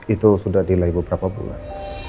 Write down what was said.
itu sudah delay beberapa bulan